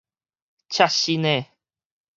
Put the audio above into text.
赤身的